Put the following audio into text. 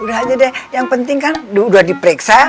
udah aja deh yang penting kan udah diperiksa